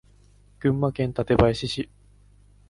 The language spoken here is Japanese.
群馬県館林市